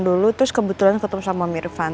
dulu terus kebetulan ketemu sama om irfan